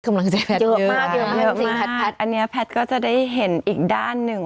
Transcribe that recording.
กำลังใจแพทย์เยอะมากอันนี้แพทย์ก็จะได้เห็นอีกด้านหนึ่ง